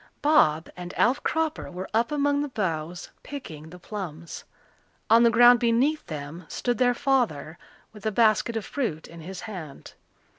Bob and Alf Cropper were up among the boughs picking the plums. On the ground beneath them stood their father with a basket of fruit in his hand.